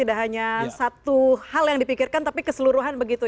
tidak hanya satu hal yang dipikirkan tapi keseluruhan begitu